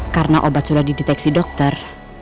karena obat sudah dideteksi dokter